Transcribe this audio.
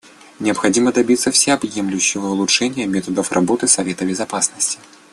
Необходимо добиться всеобъемлющего улучшения методов работы Совета Безопасности.